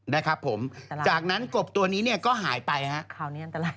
๕๙นะครับผมจากนั้นกรบตัวนี้เนี่ยก็หายไปครับ